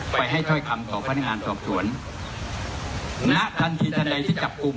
ไปให้ถ้อยคำของพนักงานสอบสวนณทันทีทันใดที่จับกลุ่ม